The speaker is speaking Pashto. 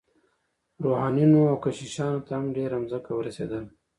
روحانیونو او کشیشانو ته هم ډیره ځمکه ورسیدله.